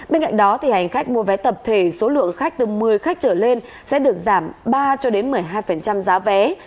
bên cạnh đó hành khách mua vé tập thể số lượng khách từ một mươi khách trở lên sẽ được giảm ba cho đến một mươi hai giá vé